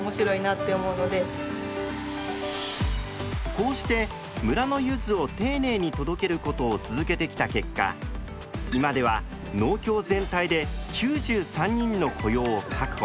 こうして村のゆずを丁寧に届けることを続けてきた結果今では農協全体で９３人の雇用を確保。